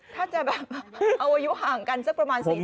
ถ้าจะเอาอยู่ห่างกันสักประมาณสี่กาที